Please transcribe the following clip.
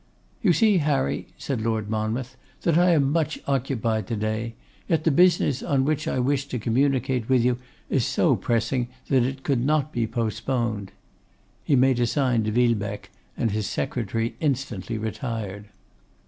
'You see, Harry,' said Lord Monmouth, 'that I am much occupied to day, yet the business on which I wish to communicate with you is so pressing that it could not be postponed.' He made a sign to Villebecque, and his secretary instantly retired.